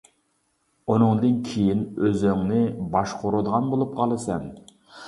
ئۇنىڭدىن كېيىن ئۆزۈڭنى باشقۇرىدىغان بولۇپ قالىسەن.